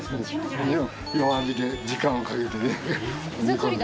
弱火で時間をかけて煮込んで。